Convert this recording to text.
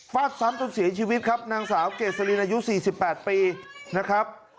ฟาดซ้ำจนเสียชีวิตครับนางสาวเกษลินอายุ๔๘ปีนะครับ